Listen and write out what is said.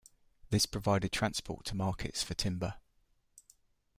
This provided transport to markets for timber.